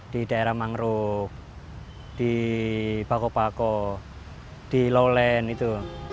di daerah mangrove di bako bako di lowland itu